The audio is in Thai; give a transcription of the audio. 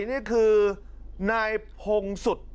นี่คือนายพงศุษย์